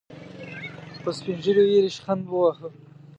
په سپين ږيرو يې ريشخند وواهه.